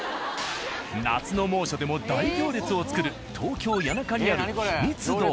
夏の猛暑でも大行列を作る東京・谷中にある「ひみつ堂」。